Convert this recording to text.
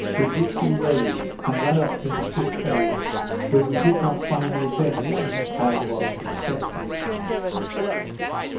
with which we weighed and ran up into Ship Cove, where we did not find the Adventure, as was expected.